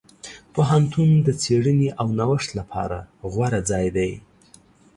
پوهنتون د څېړنې او نوښت لپاره غوره ځای دی.